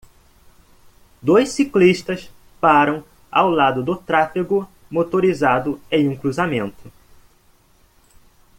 Dois ciclistas param ao lado do tráfego motorizado em um cruzamento.